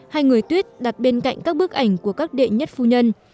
hay người tuyết đặt bên cạnh các bức ảnh của các đệ nhất phu nhân